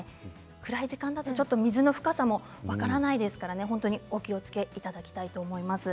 暗い時間だとちょっと水の深さも分からないですからお気をつけいただきたいと思います。